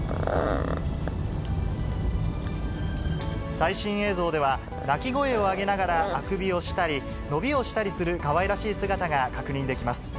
最新映像では、鳴き声を上げながらあくびをしたり、伸びをしたりするかわいらしい姿が確認できます。